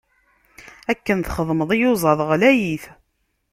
Akken txedmeḍ, iyuzaḍ ɣlayit.